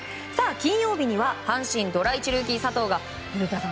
金曜日には阪神ドラ１ルーキー佐藤が古田さん